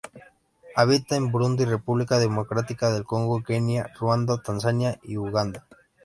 Habita en Burundi, República Democrática del Congo, Kenia, Ruanda, Tanzania y Uganda.